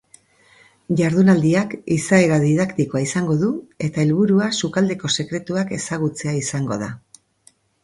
Jardunaldiak izaera didaktikoa izango du eta helburua sukaldeko sekretuak ezagutzea izango da.